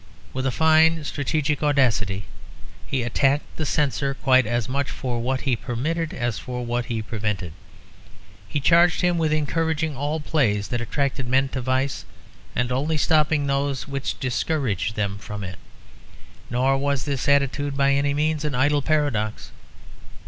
With a fine strategic audacity he attacked the Censor quite as much for what he permitted as for what he prevented. He charged him with encouraging all plays that attracted men to vice and only stopping those which discouraged them from it. Nor was this attitude by any means an idle paradox.